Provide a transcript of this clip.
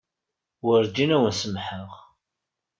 Werǧin ad wen-samḥeɣ.